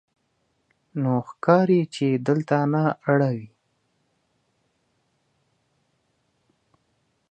نو ښکاري چې دلته نه اړوې.